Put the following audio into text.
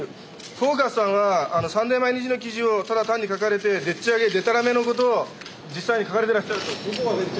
「フォーカス」さんは「サンデー毎日」の記事をただ単に書かれてでっちあげでたらめのことを実際に書かれてらっしゃると。